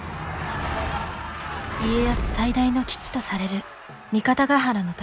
家康最大の危機とされる三方ヶ原の戦い。